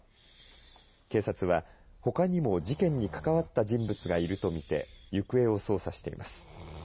警察は、ほかにも事件に関わった人物がいると見て行方を捜査しています。